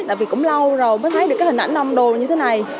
tại vì cũng lâu rồi mới thấy được cái hình ảnh nông đồ như thế này